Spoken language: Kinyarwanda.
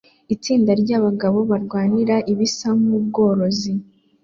Itsinda ryabagabo barwanira ibisa nkubworozi